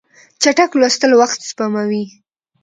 چټک لوستل وخت سپموي.